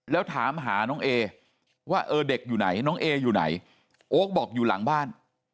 แล้วถามหาน้องเอว่าเออเด็กอยู่ไหนน้องเออยู่ไหนโอ๊คบอกอยู่หลังบ้าน